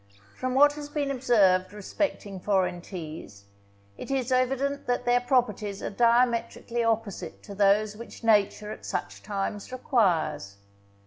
From what has been observed respecting foreign teas, it is evident that their properties are diametrically opposite to those which nature at such times requires.